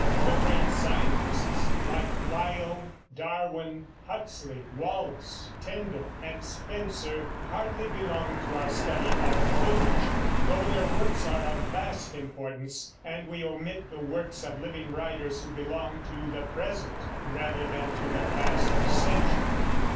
The great scientists, like Lyell, Darwin, Huxley, Wallace, Tyndall, and Spencer, hardly belong to our study of literature, though their works are of vast importance; and we omit the works of living writers who belong to the present rather than to the past century.